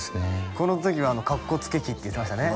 この時は「かっこつけ期」って言ってましたね